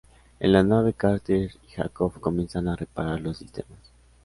En la nave, Carter y Jacob comienzan a reparar los sistemas.